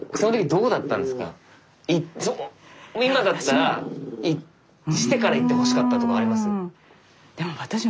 今だったらしてから行ってほしかったとかあります？